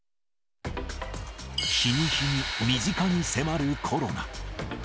日に日に身近に迫るコロナ。